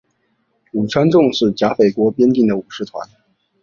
武川众是甲斐国边境的武士团。